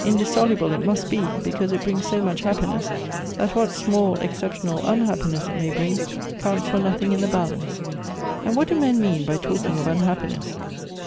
Indissoluble it must be, because it brings so much happiness that what small exceptional unhappiness it may bring counts for nothing in the balance. And what do men mean by talking of unhappiness